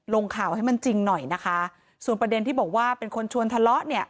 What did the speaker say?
ลงข่าวให้มันจริงหน่อยนะคะส่วนประเด็นที่บอกว่าเป็นคนชวนทะเลาะเนี่ย